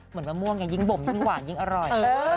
เหมือนว่าม่วงไงยิ่งบ่มยิ่งหวานยิ่งอร่อย